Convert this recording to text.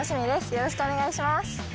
よろしくお願いします。